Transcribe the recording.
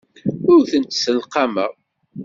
Ur tent-sselqameɣ.